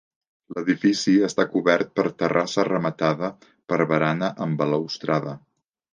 L'edifici està cobert per terrassa rematada per barana amb balustrada.